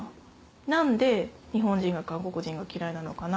何で日本人が韓国人が嫌いなのかな